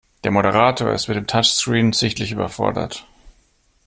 Der Moderator ist mit dem Touchscreen sichtlich überfordert.